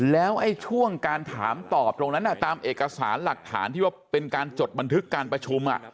แล้วช่วงการถามตอบตรงนั้นตามเอกสารหลักฐานที่ว่าเป็นการจดบันทึกการประชุม